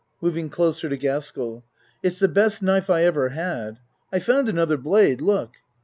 (Moving closer to Gaskell.) It's the best knife I ever had. I found another blade look.